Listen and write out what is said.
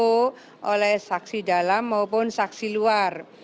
pertanyaannya apa yang akan dilakukan oleh saksi dalam maupun saksi luar